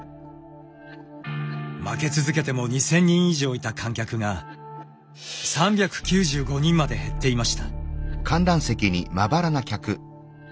負け続けても２，０００人以上いた観客が３９５人まで減っていました。